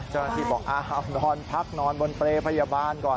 เจ้าหน้าที่บอกนอนพักนอนบนเปรย์พยาบาลก่อน